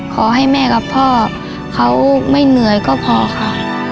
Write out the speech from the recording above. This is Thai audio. ขอให้แม่กับพ่อเขาไม่เหนื่อยก็พอค่ะ